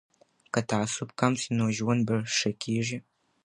که تعصب کم سي نو ژوند ښه کیږي.